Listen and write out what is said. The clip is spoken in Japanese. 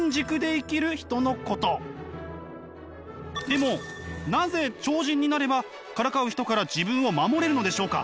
でもなぜ超人になればからかう人から自分を守れるのでしょうか？